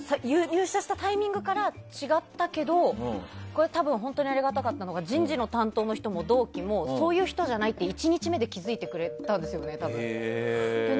入社したタイミングから違ったけど、これは本当にありがたかったのが人事の担当の人も、同期もそういう人じゃないって１日目で気づいてくれたんですね、多分。